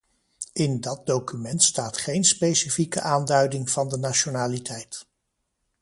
In dat document staat geen specifieke aanduiding van de nationaliteit.